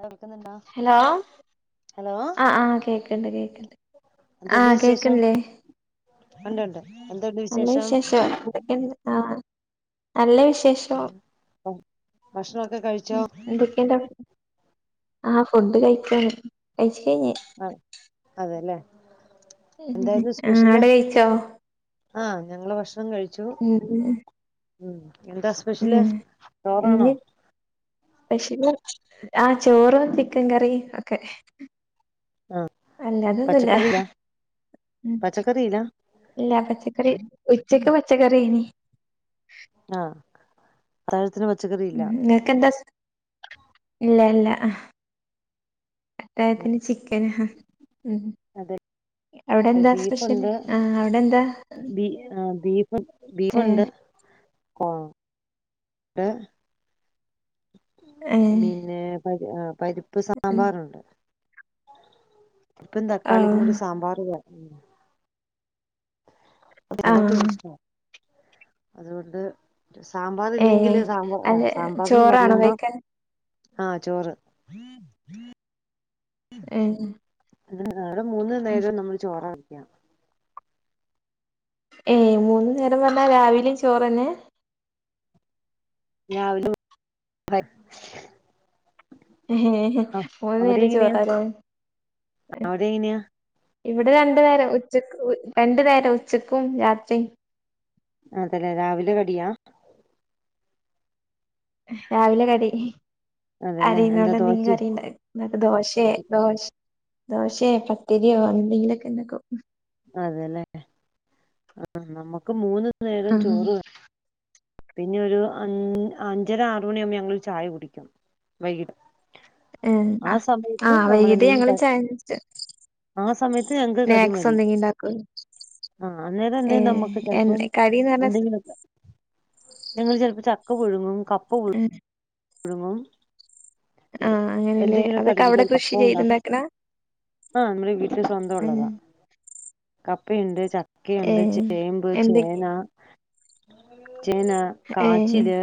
കേൾക്കുന്നുണ്ടോ hello hello അ ആഹ് കേക്ക്ണ്ട് കേക്ക്ണ്ട് ആ എന്തുണ്ട് വിശേഷം കേക്ക്ൺല്ലേ ഉണ്ട് ഉണ്ട്. എന്തുണ്ട് നല്ല വിശേഷം വിശേഷാ എന്തെക്കെണ്ട് ആഹ് നല്ല വി വിശേഷോ ഭക്ഷണൊക്കെ കഴിച്ചോ ഉം എന്തൊക്കെണ്ടവ്ടെ ആഹ് ഫുഡ് കഴിക്കാണ് കഴിച് ആഹ് അതേലേ ആടെ കഴിച്ചോ ആഹ് ഞങ്ങള് ഭക്ഷണം കഴിച്ചു ഉം ഉം എന്താ സ്പെഷ്യല് ഉം ചോറാണോ? പക്ഷ ആ ചോറും ചിക്കൻ കറിയും ഒക്കെ ആഹ് അല്ല അതൊന്നല്ല പച്ചക്കറിയില്ല ഉം പച്ചക്കറിയില്ല ഇല്ല പച്ചക്കറി ഉച്ചക്ക് പച്ചക്കറനി ആ ത ഉം നിനക്ക് എന്താ ഇല്ല ഇല്ല ആ അത്തായത്തിന് ചിക്കന് ഉം അതെ അവിടെന്താ സ്പെഷ്യൽ ബീഫുണ്ട് ആ അവിടെ എന്താ ബീ ആ, ബീഫ് ഏഹ് ബീഫുണ്ട് ഏഹ് പിന്നെ ആ പരി പരിപ്പ് ഉം സാമ്പാറുണ്ട് ഇപ്പം ആഹ് തക്കാളിട് സാമ്പാറ് വേ ആഹ് [unintelligible] അതുകൊണ്ട് സാമ്പാർ ഏഹ് ഇല്ലെങ്കില് സാമ്പാർ അത് സാമ്പാർന്ന് ചോറാണോ പറയുമ്പോ- കഴിക്കാൻ ആ ചോറ് ഏ അ നവിടെ മൂന്ന് നേരം നമ്മൾ ചോറ വക്കാം ഏയ് മൂന്ന്നേരം പറഞ്ഞാ രാവിലും ചോറ്ന്നെ [unintelligible] മൂന്ന് ആ അവിടെ നേരം എങ്ങനെയാ ചോറാല അവിടെ എങ്ങനെയാ ഇവിടെ രണ്ടു നേരം ഉച്ചക്ക് രണ്ടു നേരം ഉച്ചക്കും രാത്രിയും അതല്ലേ രാവിലെ കടിയാ രാവിലെ കടി അതെല്ലേ എന്താ അറുന്നോണ്ട് നിങ്ങ ദോശയും അറിയണ്ട എന്ന ദോശയേ ദോശ ദോശയെ പത്തിരിയോ എന്തെങ്കിലുമൊക്കെ എന്തക്കോ അതെല്ലേ ആ നമ്മുക്ക് മൂന്ന് നേരം ആഹ് ചോറ് വ പിന്നെ ഒരു അഞ് അഞ്ചര ആറ മണിയ ആകുമ്പോ ഞങ്ങരു ചായ കുടിക്കും വൈകിട്ട് ഏഹ് ആ ആഹ് സമയത്ത് ആഹ് നമ്മൾ വൈകിട്ട് ഞങ്ങള് എന്തെങ്കിലും ചായ ആ സമയത്ത് ഞങ് സ്നാക്സ് കടിമതി എന്തെങ്കിലും ഉണ്ടാക്കും ആ അന്നേരം എന്തെങ്കിലും നമ്മുക്ക് ഏഹ് ചെലപ്പം എ കടീന്ന് പറഞ്ഞാ എന്തെങ്കിലുംക്ക ങ്ങള്ൾ ചിലപ്പോ ചക്ക പുഴുങ്ങും കപ്പ പുഴുങ്ങും ഴങ്ങും പി ആഹ് അങ്ങനെല്ലേ എന്തെങ്കിലുംക്ക അതൊക്കെ അവിടെ കട കൃഷി അപ്പം ഉണ്ടാക്കും ചെയ്തുണ്ടാക്കണ ആഹ് ന വീട്ടില് സ്വന്തം ഉം ഉള്ളതാ കപ്പയുണ്ട് ചക്കയുണ്ട് ഏഹ് ചേമ്പ് എന്തൊക്കെ ചേന ചേന ഏഹ് കാച്ചില്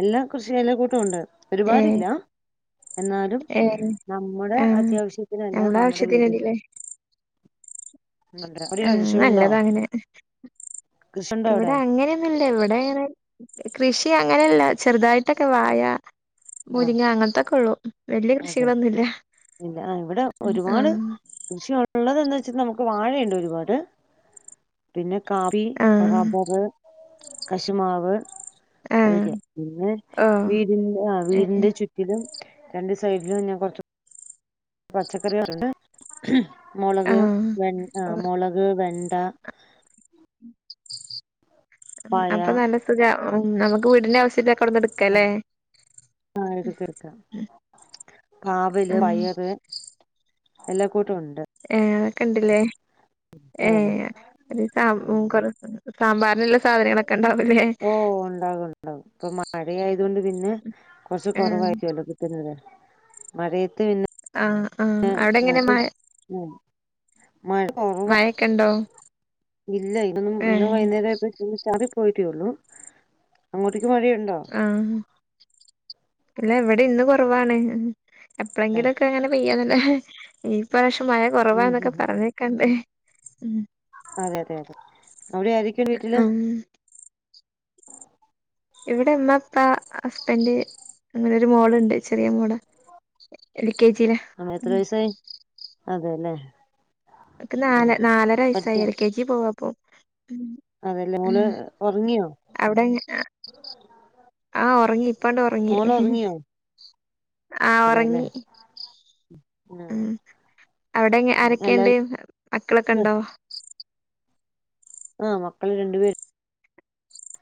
എല്ലാ കൃഷിയില കൂട്ടുംണ്ട് ഏഹ് ഒരുപാടില്ല എന്നാലും ഏഹ് നമ്മുടെ ആഹ് അത്യാവശ്യത്തിനല്ല നമ്മളെ നമ്മുടെ വീട്ടിൽ ആവശ്യത്തിനതില്ലേ ഉണ്ട് ആ അവിടെയോ കൃഷികളുണ്ടോ നല്ലതാ അങ്ങനെ കൃഷിയുണ്ടോ ഇവിടെ അവിടെ അങ്ങനെയൊന്നുംല്ല ഇവിടെ കൃഷി അങ്ങനെയല്ല ചെറുതായിട്ടൊക്കെ വായ ആ മുരിങ്ങ അങ്ങനത്തൊക്കെ ഉള്ളു വലിയ അതെ കൃഷികളൊന്നുംല്ല ഇല്ല ഇവിടെ ഒരുപാട് കൃഷിള്ളതന്ന് വെച്ചൽ നമുക്ക് വാഴ ഉണ്ട് ഒരുപാട് പിന്നെ കാപ്പി ആഹ് റബർ കശുമാവ് ആഹ് അതൊക്കെ പിന്നെ ഓഹ് വീടിന്റെ ആ ഏഹ് വീടിന്റെ ചുറ്റിലും രണ്ട് സൈഡിലും ഞാൻ കുറച്ച് പച്ചക്കറണ്ട് മുളക് ആഹ് ആ മുളക് വെ ട്ട അപ്പൊ നല്ല സുഖ നമുക്ക് വീടിന്റെ ആവശ്യത്തി കൊന്നെടുക്കല്ലേ ആ എടുക്കെടുക്കാം കാവല് ഉം പയറ് എല്ലാം ഏ അതൊക്കെ ഇണ്ടില്ലേ ഏ ഉണ്ട് അ കുറ സാമ്പാറിനുള്ള സാധനങ്ങളൊക്കെ ഉണ്ടാവല്ലേ ഓ ഉണ്ടാകും ഉണ്ടാകും ഇപ്പൊ മഴ ആയത് കൊണ്ട് പിന്നെ കുറച്ച് കുറവായിക്കുവല്ലോ കറ്റുന്നത് മഴയത്ത് പിന്നെ ആ ആ അവിടെ എങ്ങനെ മഴ മഴ കുറവാ മഴൊക്കെ ഉണ്ടോ ഇല്ല ഇ ഏ വൈകുന്നേരം ആയപ്പോ ചാറി പോയിട്ടള്ളു അങ്ങോട്ടേക്ക് മഴയുണ്ടോ അല്ല ഇവിടെ ഇന്ന് കൊറവാണ് എപ്പഴെങ്കിലൊക്കെ അങ്ങനെ പെയ്യാന്നല്ലേ ഈ പ്രാ മഴ ഉം ഉം കുറവാന്നൊക്കെ ഉം പറഞ്ഞേക്കണ്ടേ ഉം അതെ അതെ അതെ അവിടെ ആരൊക്കെയുണ്ട് വീട്ടില് ഉം ഇവിടെ അമ്മ അപ്പ ഹസ്ബൻഡ് അങ്ങനെ ഒരു മോളുണ്ട് ചെറിയ മോള എൽ കെ ജില് ആണോ എത്ര ഉം വയസായി അതെല്ലേ അവൾക്ക് നാല് ഉം നാലര പഠിക്ക വയസ്സായി എൽ കെ ജി പോവുന്നിപ്പോ അതെല്ലേ ഉം മോള് ഉറങ്ങിയോ അവിടെ എ ആ ഉറങ്ങി ഇപ്പ അങ്ങണ്ട് ഉറങ്ങി മോള് ഉറങ്ങിയോ ആ അതെല്ലേ ഉറങ്ങി ആ ഉം അവിടെ ആരൊക്കെയുണ്ട് എല്ലാരും മക്കളൊക്കെ ഉണ്ടോ ആ മക്കള് രണ്ടുപേര്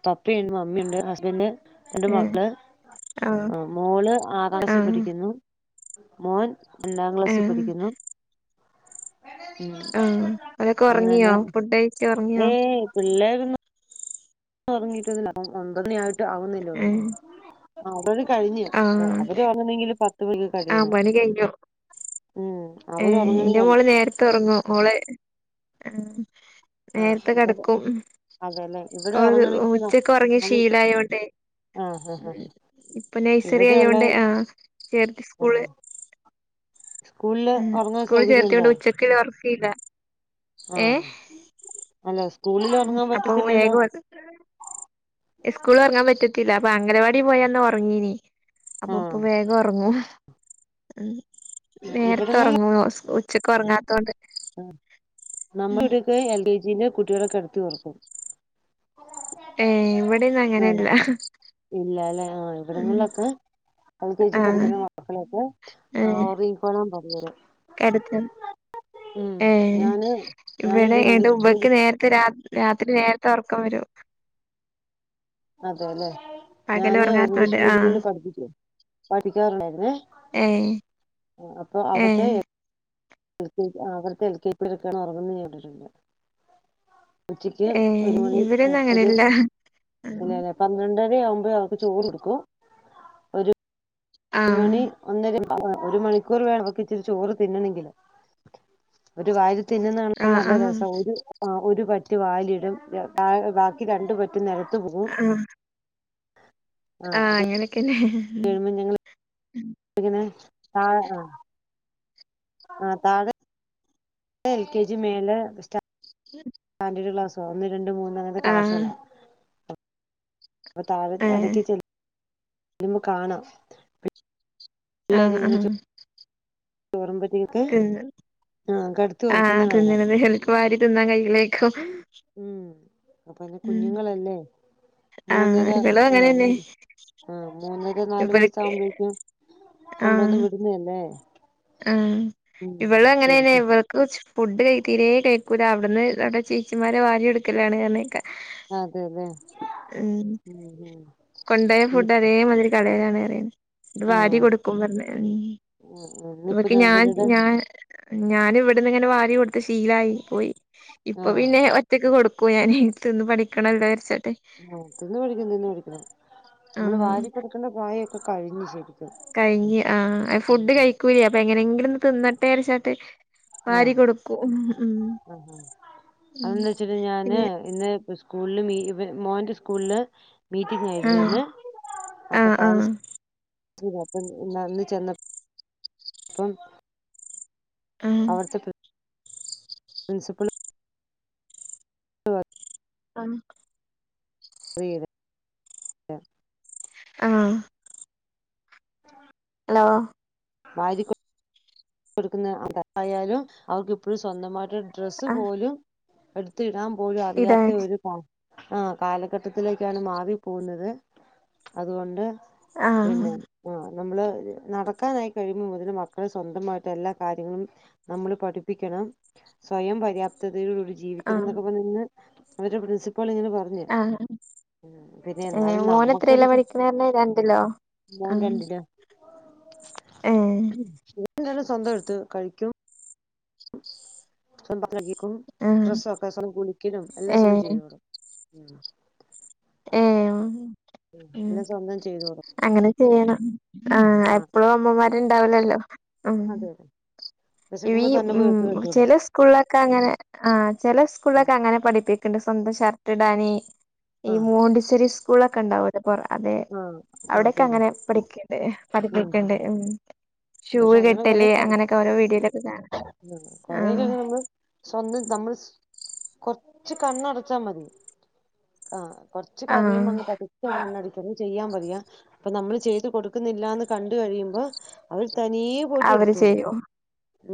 പപ്പയുണ്ട് മമ്മിയുണ്ട് ഹസ്ബൻഡ് ഉണ്ട് ഏ മക്കള് ആഹ് ആ മോള് ആറാം ക്ലാസിൽ ആഹ് പഠിക്കുന്നു മോൻ രണ്ടാം ക്ലാസ്സിൽ ആഹ് പഠിക്കുന്നു ഉം ആഹ് അവരൊക്കെ ഉറങ്ങിയോ അങ്ങനെ ഫുഡ് കഴിച്ച് ഉറങ്ങിയോ ഏ പിള്ളേരൊന്നും ഉറങ്ങിട്ടൊന്നുമില്ല ഒൻപത് മണി ആയിട്ട് ആവുന്നില്ല ഏ ഒന്നു ആ ഒ കഴിഞ്ഞു ആ ആഹ് അവര് ഉറങ്ങണങ്കില് പത്ത് മണി ആഹ് കഴിയണം പണി കഴിഞ്ഞു ഉം ഏ അവര് ഉറങ്ങണെങ്കി എന്റെ മോള് നേരത്തെ ഉറങ്ങും മോള് ആ ആ നേരത്തെ ഇവിടെ കിടക്കും അതെല്ലേ ഇവിടെ അവളത് ഉറങ്ങണെങ്കില് ന ഉച്ചക്കെ ഉറങ്ങിയ ആ ശീലയോണ്ടേ ആ ഉം ആ ഇപ്പൊ നൈസറി ഇവിടെയുള്ള ആയോണ്ട് ആ ചേർത്ത് ആ സ്കൂള് [inaudible] സ്കൂളില് ഉം ഉറങ്ങാൻ സ്കൂൾ സൗകര്യം ഉണ്ടോ ചേർത്തോണ് ഉച്ചക്ക് ഉറക്കമില്ല ഏ ആ അല്ല സ്കൂളിൽ ഉം ഉറങ്ങാൻ അപ്പൊ പറ്റത്തില്ലല്ലോ വേഗ സ്കൂള് ഉറങ്ങാൻ പറ്റത്തില്ല അപ്പൊ അംഗനവാടി പോയന്ന് ഉറങ്ങീനി അപ്പൊ ഇപ്പൊ ആഹ് വേഗം ഉ ങ്ങും നേരത്തെ ഉറങ്ങും ഉച്ചക്ക് ഉറങ്ങാത്തൊണ്ട് നമ്മുടെ ഇവിടൊക്കെ എൽ കെ ജിന്റെ കുട്ടികളെ കിടത്തി ഉറക്കും ഏ ഇവിടെന്നും അങ്ങനല്ല ഇല്ല അല്ലേ ആ ഇവിടങ്ങളിലൊക്കെ എൽ കെ ജി ആഹ് പഠിക്കുന്ന മക്കളൊക്കെ ഏ ആ ഉറങ്ങിക്കോളാൻ പറയും കെടത്തി ഉം ഏ ഞാന് ഇവിടെ ഞാനൊരു എന്റെ ഇംഗ്ലീഷ് ഉക്ക് മീഡിയം [unintelligible] നേരത്തെ രാത്രി നേരത്തെ ഉറക്കം വരും അതെല്ലെ പകല് ഞാന് ഇംഗ്ലീഷ് ഉറങ്ങാത്തോണ്ട് ആഹ് മീഡിയത്തിൽ പഠിപ്പിക്കും പഠിക്കാറുണ്ടായിരുന്നേ ആ അപ്പൊ ആ അവിടുത്തെ എൽ കെ ജി പിള്ളേരൊക്കെ കിടന്ന് ഉറങ്ങുന്നത് ഞാൻ കണ്ടിട്ടുണ്ട് ഉച്ചക്ക് ഏ ഒരു മണി ഇവിടെന്നും ഒരു അങ്ങനെല്ല അല്ല പന്ത്രണ്ട് ഒന്നര ആവുമ്പോ അവർക്ക് ചോറ് കൊടുക്കും ഒരു ആഹ് മണി ഒന്നര ആ ഒരു മണിക്കൂർ വേണക്ക ഇച്ചിരി ചോറ് തിന്നണെങ്കില് അവര് വാരി തിന്നുന്നാണ് ആഹ് നല്ല ആഹ് രസം ഒരു ഒരു പറ്റ് വായിൽ ഇടും ബാക്കി രണ്ടു പറ്റ് നിലത്ത് പോവും ആ അങ്ങനെയൊക്കന്നെ എഴുമ്പോൾ ഞങ്ങൾ താഴ ആ [unintelligible] ആഹ് താഴെ എൽ കെ ജി മേല സ്റ്റാൻഡേഡ് ക്ലാസ്സോ ഒന്ന് രണ്ട് മൂന്ന് അങ്ങനെ ആഹ് ക്ലാസ്സുകളാ അപ്പ താഴെ ഏ ഇടയ്ക്ക് ചെല്ല അ കാണാം ആഹ് പിള്ളേങ്ങനെ ആഹ് ചോറുമ്പറ്റൊക്കെ തിന്ന് ആഹ കിടത്തി ആഹ് ഉറങ്ങുന്നത് കാണാം തിന്നണത് ഓൽക്ക് വാരി തിന്നാൻ കയ്യിലേക്കും ഉം അപ്പൊ പിന്നെ കുഞ്ഞുങ്ങളല്ലേ ആഹ് മൂന്നര ഇവളും ആ അങ്ങനെന്നെ ആ ഒരു നാലു വയസ് ഇവൾക്ക് ആവുമ്പോഴേക്കും കൊണ്ടുവന്ന് വിടുന്നല്ലേ ഉ ഉം ഇവള് എങ്ങനെന്നെയ ശരിക്കും ഇവൾക്ക് ഫുഡ് തീരെ കഴിക്കൂല അവിടുന്ന് നമ്മടെ ചേച്ചിമാരെ വാരി എടുക്കലാണ് കാരക്ക അതെല്ലേ ഉ ഉം ഉം കൊണ്ട് പോയ ഇനി ഫുഡ് അതേമാതിരി കളയലാണ് ഇത് വാരി ആഹ് കൊടുക്കും പറഞ്ഞ ആഹ് ആഹ് ഉ ഇന്നിപ്പോ ക്ക് ഞാൻ ഇവരുടെ ഞാൻ ഞാനൻ ഇവിടെന്ന് ഇങ്ങനെ വാരിയ കൊടുത്ത് ശീലായി പോയി ഇപ്പൊ ആഹ് പിന്നെ ഒറ്റക്ക് കൊടുക്കുവ ഞാൻ തിന്ന് പഠിക്കണല്ലോ ച്ച് ആ തിന്ന് പടിക്കണം തിന്നു പടിക്കണം നമ്മള് ആഹ് വാരി കൊടുക്കേണ്ട പ്രായൊക്കെ കഴിഞ്ഞു ശെരി കഴിഞ്ഞ ആ ഫുഡ് കഴിക്കൂല അപ്പൊ എങ്ങനെങ്കിലും ഒന്ന് തിന്നട്ടെ അരച്ചട്ട് വാരി ആഹ് കൊടുക്കും ഉ ആഹ് ആഹ് അതെന്താ വെച്ചിട്ട് ഞാന് ഇന്ന് സ്കൂളില് മോന്റെ സ്കൂളില് മീറ്റിംഗ് ആഹ് ആയിരുന്നുന്ന് അപ്പം ആഹ് ആഹ് പേരൻസ് ഇത അപ്പം നന്ന ചെന്ന ഇപ്പം ഉം പ്രിൻസിപ്പൽ [unintelligible] ആണ് ആ ആഹ് [unintelligible] ഹലോ വാരിക്കോ കൊടുക്കുന്ന അതായാലും അവർക്ക് ഇപ്പോഴും സ്വന്തമായിട്ട് ഡ്രസ്സ് ആഹ് പോലും എടുത്തിടാൻ പോലും ഇതാ അറിയാത്ത ഒരു പാവം ആ കാലഘട്ടത്തിലേക്കാണ് മാവി പോകുന്നത് അതുകൊണ്ട് ആഹ് പിന്നെ ആ നമ്മള് നടക്കാനായി കഴിയുമ്പോൾ മുതൽ മക്കള് സ്വന്തമായി ട്ട് എല്ലാ കാര്യങ്ങളും നമ്മള് പഠിപ്പിക്കണം സ്വയം പര്യാപ്ത [unintelligible] ജീവിക്കണം ആഹ് എന്നൊക്കെ പറഞ്ഞെന്ന് അവരുടെ പ്രിൻസിപ്പാൾ ഇങ്ങനെ പറഞ്ഞു ആഹ് ഏഹ് ഓൻ എത്രയിലാ പഠിക്കുന്നെന്നാ രണ്ടിലോ മ് മ് സ്വന്തം എടുത്ത് കഴിക്കും സ്വന്ത [inaudible] ആഹ് ഡ്രസ്സൊക്കെ സ്വം കുളിക്കലും എല്ലാ സ്വന്തം ഏഹ് ചെയ്തോളും മ് മ് അങ്ങനെ ചെയ്യണം ആ ആഹ് എപ്പോഴും അമ്മമാർ ഇണ്ടാവില്ലല്ലോ അതെ അതെ ഈ വിശക്കുമ്പോ തന്നെ പോയി എടുത്ത് മ് കഴിച്ചോളും ചില സ്കൂളിലൊക്കെ അങ്ങനെ ആ ചില ഉം സ്കൂളിലൊക്കെ അങ്ങനെ പഠിപ്പിക്കിണ്ട് സ്വന്തം ഷർട്ടിടാന് ഈ ആഹ് മോണ്ടിശ്ശെരി സ്കൂളൊക്കെ ഉണ്ടാവും അത് കൊറേ അതെ ആഹ് അവിടൊക്കെ അതന്നെ അങ്ങനെ പഠിക്കണ്ട് ഉം പഠിപ്പിക്കണ്ട് ഉം മ് ഷൂ പക്ഷെ അങ്ങനെ കൊറെ കെട്ടല് പരി അങ്ങനെയൊക്കെ ഓരോ വീഡിയൊയിലൊക്കെ കാണാം കൊറെയൊക്കെ ആഹ് അങ്ങനെ നമ്മള് സ്വന്തം നമ്മൾ കൊറച്ച് കണ്ണടച്ചാ മതി ആഹ് കൊറച്ച് കരയും ആഹ് അങ്ങ് പതിക്കെ അങ്ങ് കണ്ണടച്ച് ചെയ്യാൻ പറയാ അപ്പൊ നമ്മള് ചെയ്ത് കൊടുക്കുന്നില്ലാന്ന് കണ്ട് കഴിയുമ്പോ അവർ തനിയേ പോയിട്ട് അവര് എടുത്തോളും ചെയ്യോ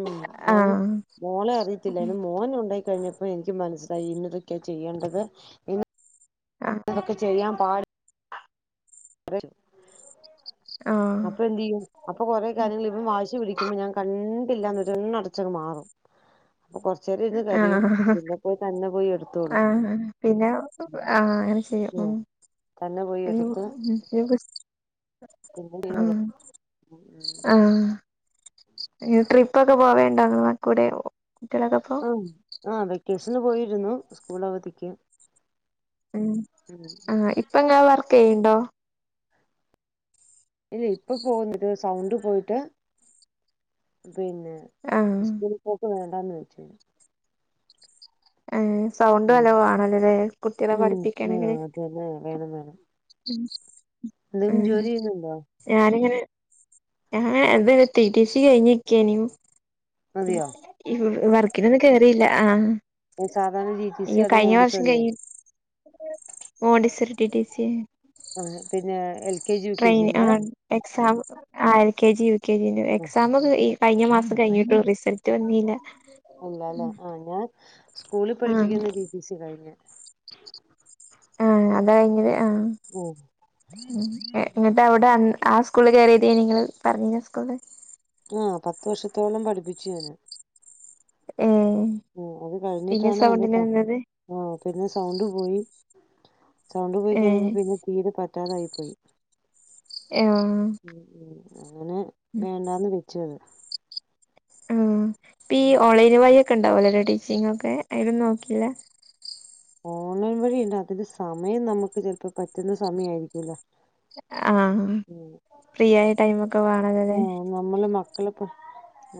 മ് ഞാന് ആഹ് മോളെ അറിയത്തില്ലാരുന്നു മോന് ഉണ്ടായി കഴിഞ്ഞപ്പോ എനിക്ക് മനസ്സിലായി ഇന്നതൊക്കെയാ ചെയ്യേണ്ടത് ഇ ആഹ് ഇതൊക്കെ ചെയ്യാൻ പാടി ആഹ് അപ്പൊ എന്ത് ചെയ്യും അപ്പൊ കൊറേ കാര്യങ്ങള് ഇവൻ വാശ് പിടിക്കുമ്പോ ഞാൻ കണ്ടില്ലാന്ന് ഒരെണ്ണടച്ചങ്ങ് മാറും അപ്പൊ കൊറച്ചേരം ഇരുന്ന് കരയും ആഹഹഹ പിന്നെ പോയി തന്നെ പോയി എടുത്തോളും ആഹ് ഹ് പിന്നെ ആഹ് ശരി മ് ഉം തന്നെ പോയി എടുത്ത് പിന്നെ [unintelligible] ആഹ് ആഹ് ട്രിപ്പൊക്കെ പോവേണ്ടാന്ന് കൂടെ ആഹ് അഹ് വെക്കേഷന് പോയിരുന്നു സ്കൂൾ അവധിക്ക് മ് ഉം ആ ഇപ്പങ്ങള് വർക്ക് ചെയ്യണ്ടോ ഇല്ല ഇപ്പൊ പോകുന്നില്ല ഒരു സൗണ്ട് പോയിട്ട് പിന്നെ ആഹ് സ്കൂൾ പോക്ക് വേണ്ടാന്ന് വെച്ചു ഏഹ് സൗണ്ട് ഉം നല്ല വേണല്ലോല്ലേ കുട്ടികളെ ഉം ആഹ് പഠിപ്പിക്കണെങ്കില് അതന്നെ വേണം വേണം മ് എന്തെങ്കിലും മ് ജോലി ചെയ്യുന്നുണ്ടോ ഞാനിങ്ങനെ ഞാൻ എന്താ ടി ടി സി കഴിഞ്ഞിര്ക്കേനു അതെയോ വർക്കിനൊന്നും കേറിയില്ല ആഹ് സാധാരണ ജി ടി സി അയ്യോ അതോ കഴിഞ്ഞ വർഷം മോണ്ടിസോറിയോ കഴിഞ്ഞു മോണ്ടിസർ ടി ടി സി ആഹ് പിന്നെ L K G U K training ജിന്റെയാ ആഹ് എക്സാം ആഹ് L K G U K ജിന്റെ ആ എക്സാം ഈ കഴിഞ്ഞ മാസം കഴിഞ്ഞിട്ടൊള്ളു റിസൾട്ട്‌ വന്നില്ല അല്ലല്ലേ ആഹ് ഞാൻ സ്കൂളിൽ ആഹ് പഠിപ്പിക്കുന്ന ടി ടി സി കഴിഞ്ഞ് ആഹ അത കഴിഞ്ഞത് ആ ഉം എന്നിട്ട് അവിടെ സ്കൂള് കയറിയത നിങ്ങള്ൾ പറഞ്ഞ സ്കൂള് ആഹ പത്ത വർഷത്തോളം പഠിപ്പിച്ചു ഞാന് ഏഹ് ഉം അത് പിന്നെ കഴിഞ്ഞിട്ടാണ് എന്റെ സൗണ്ടിന് വന്നത് ആ പിന്നെ സൗണ്ട് പോയി സൗണ്ട് പോയി കഴിഞ്ഞപ്പോ ഏഹ് പിന്നെ തീരെ പറ്റാതായി പോയി ഉം ആഹ ഉം അങ്ങനെ വേണ്ടന്ന് വെച്ചത് ഉം ഇപ്പ ഈ ഓൺലൈൻ വഴിയ ഒക്കെ ഉണ്ടാവും അല്ല ടീ ചിങ്ങൊക്കെ ആയ്ലൊന്നും നോക്കില്ല ഓൺലൈൻ വഴിണ്ട് അതിന്റെ സമയം നമുക്ക് ചിലപ്പോ പറ്റുന്ന സമയയിരിക്കുംല്ല ആഹ ഫ്രീ ആയ ടൈമ ഒക്കെ വേണത ആ അതെ നമ്മള് മക്കളെ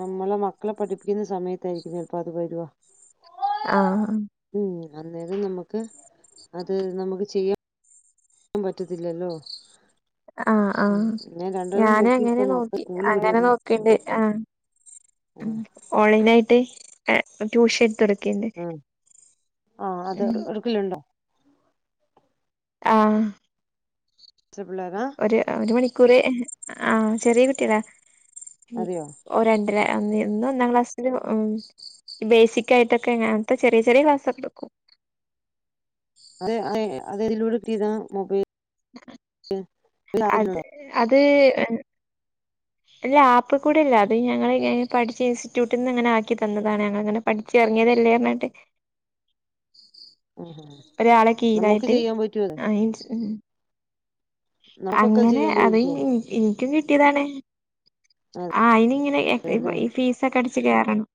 നമ്മളെ മക്കളെ പഠിപ്പിക്കുന്ന സമയത്തായിരിക്കും ചിലപ്പോ അത് വരുവാ ആ അന്നേരം നമുക്ക് അത് നമുക്ക് ചെയ്യാ ൻ പറ്റത്തില്ലല്ലോ ആഹ് ഉം ആഹ് ഞാൻ രണ്ട ദം ഞാനും അങ്ങനെ നോക്കിരിക്ക മക്ക നോക്കി സ്കൂള അങ്ങനെ വിടന്ന് നോക്കിണ്ട് ആഹ് ഓൺലൈനായിട്ട് ട്യൂഷൻ എടുക്ക്ണ് ഉം ആഹ അത് ഉം എടുക്കലുണ്ടോ ആഹ കൊച്ചു പിള്ളേരാ ഒരു ഒരു മണിക്കൂർ ആ ചെറിയ കുട്ട്യള അതെയോ അല്ല ഇന്ന് ഒന്നാം ക്ലാസ്ൽ ബേസിക് ആയിട്ടൊക്കെ അങ്ങനത്തെ ചെറിയ ചെറിയ ക്ലാസൊക്കെ എടുക്കും അതെ അ അതെ ഇതി ലടുക്കിതാ മൊബൈൽ അത് അത് അല്ല ആപ്പ് കൂടി ഇല്ല അത് ഞങ്ങൾ പഠിച്ച ഇൻസ്റ്റിറ്റ്യൂട്ടിൽ നിന്ന് ഇങ്ങനെ ആക്കി തന്നതാണ് ഞങ്ങങ്ങനെ പഠിച്ച ഇറങ്ങിയതല്ലേ പറഞ്ഞിട്ട് [inaudible] ആ ഒരാളെ നമ്മുക്ക് കീഴിലായിട്ട് ചെയ്യാൻ പറ്റുവ അതെ ആഹ് അങ്ങനെ അത എനിക്കും കിട്ടിയതാണ് ആ അയിനിങ്ങ ഈ ഫീസ ഒക്കെ അടിച്ചച്ച് കയറണം